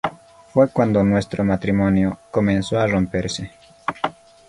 Fue cuando nuestro matrimonio comenzó a romperse.